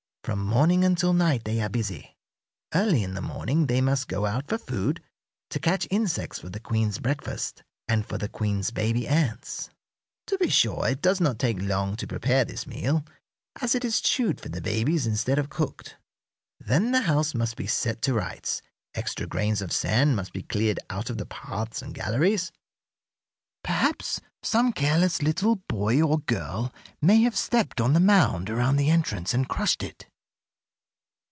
From morning until night they are busy. Early in the morning they must go out for food, to catch insects for the queen's breakfast and for the queen's baby ants. To be sure, it does not take long to prepare this meal, as it is chewed for the babies instead of cooked. Then the house must be set to rights, extra grains of sand must be cleared out of the paths and galleries. Perhaps some careless little girl or boy may have stepped on the mound around the entrance and crushed it.